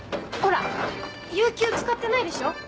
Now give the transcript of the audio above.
ほら有休使ってないでしょ。